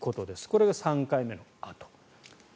これが３回目のあと。